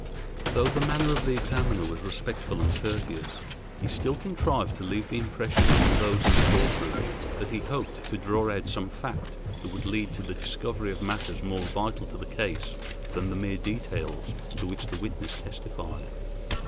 Though the manner of the examiner was respectful and courteous, he still contrived to leave the impression on those in the court room that he hoped to draw out some fact that would lead to the discovery of matters more vital to the case than the mere details to which the witness testified.